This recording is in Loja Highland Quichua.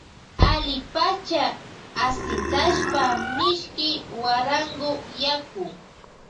Allipacha ashintashpa mishki guarango yaku.